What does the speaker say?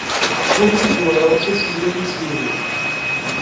Rubens, Joel, Cecília e Sílvio